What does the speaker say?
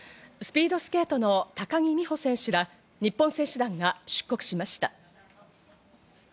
スピードスケートの高木美帆選手ら日本選手団が出国しました。